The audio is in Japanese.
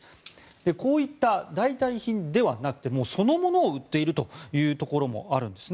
こういった代替品ではなくてそのものを売っているところもあるんですね。